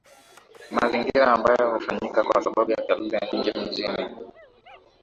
mazingira ambayo hufanyika kwa sababu ya kelele nyingi mijini